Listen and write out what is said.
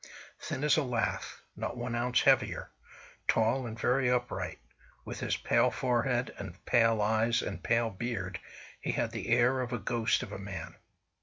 Thin as a lath—not one ounce heavier—tall, and very upright, with his pale forehead, and pale eyes, and pale beard, he had the air of a ghost of a man.